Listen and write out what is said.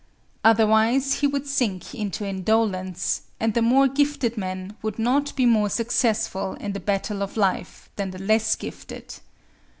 Otherwise he would sink into indolence, and the more gifted men would not be more successful in the battle of life than the less gifted.